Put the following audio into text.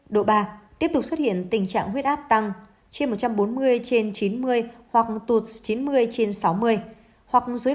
độ ba tiếp tục xuất hiện tình trạng huyết áp tăng trên một trăm bốn mươi trên chín mươi hoặc tụt chín mươi trên sáu mươi hoặc dưới